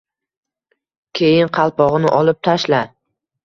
keyin qalpog‘ini olib tashla.